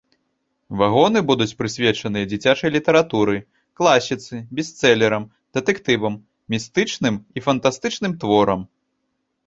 Вагоны будуць прысвечаныя дзіцячай літаратуры, класіцы, бестселерам, дэтэктывам, містычным і фантастычным творам.